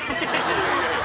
いやいやいや。